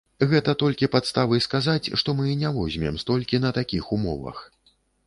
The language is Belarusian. Гэта толькі падставы сказаць, што мы не возьмем столькі на такіх умовах.